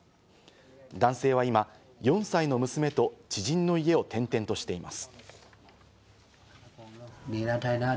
男性は今、４歳の娘と知人の家を転々としています。